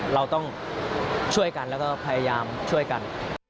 เราต้องช่วยกันแล้วก็พยายามช่วยกัน